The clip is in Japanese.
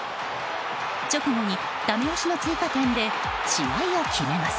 直後にだめ押しの追加点で試合を決めます。